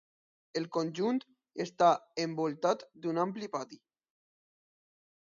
El conjunt està envoltat d'un ampli pati.